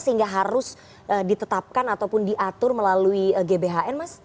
sehingga harus ditetapkan ataupun diatur melalui gbhn mas